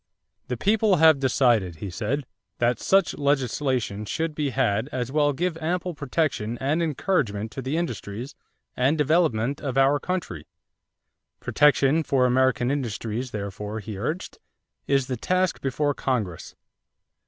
"The people have decided," he said, "that such legislation should be had as will give ample protection and encouragement to the industries and development of our country." Protection for American industries, therefore, he urged, is the task before Congress.